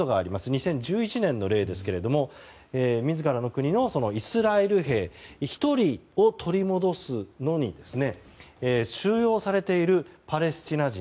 ２０１１年の例ですけれども自らの国のイスラエル兵１人を取り戻すのに収容されているパレスチナ人